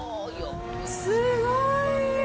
すごい。